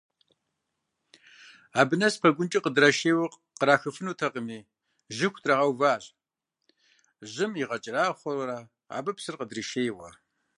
Абы нэс пэгункӏэ къыдрашейуэ кърахыфынутэкъыми, жьыху трагъэуващ, жьым игъэкӏэрахъуэрэ абы псыр къыдришейуэ.